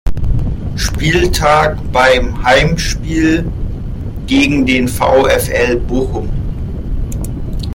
Spieltag beim Heimspiel gegen den VfL Bochum.